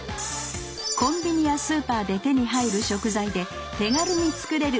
コンビニやスーパーで手に入る食材で手軽に作れる薬膳料理です！